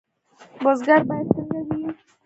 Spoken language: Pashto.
بزګر باید څنګه وي؟